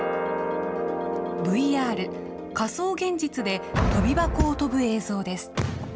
ＶＲ・仮想現実でとび箱を跳ぶ映像です。